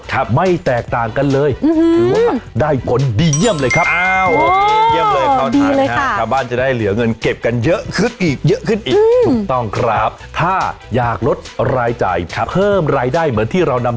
ครับไม่แตกต่างกันเลยอึฮืม